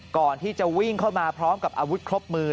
ก่อนที่จะวิ่งเข้ามาพร้อมกับอาวุธครบมือ